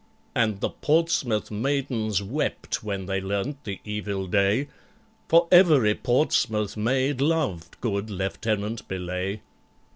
And the Portsmouth maidens wept when they learnt the evil day, For every Portsmouth maid loved good LIEUTENANT BELAYE.